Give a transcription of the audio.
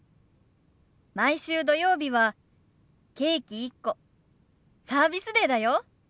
毎週土曜日はケーキ１個サービスデーだよ。